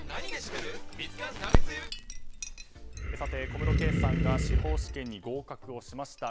小室圭さんが司法試験に合格をしました。